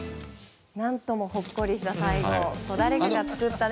何ともほっこりしました。